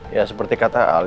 ya seperti kata al